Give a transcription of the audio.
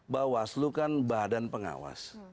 bawaslu kan badan pengawas